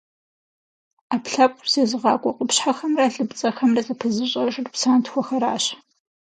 Ӏэпкълъэпкъыр зезыгъакӏуэ къупщхьэхэмрэ лыпцӏэхэмрэ зэпызыщӏэжыр псантхуэхэращ.